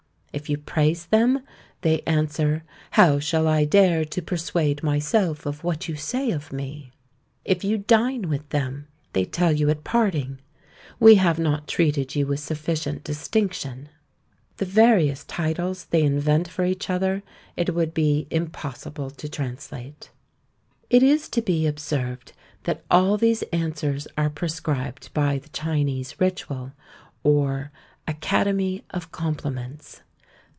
If you praise them, they answer, How shall I dare to persuade myself of what you say of me? If you dine with them, they tell you at parting, We have not treated you with sufficient distinction. The various titles they invent for each other it would be impossible to translate. It is to be observed that all these answers are prescribed by the Chinese ritual, or Academy of Compliments.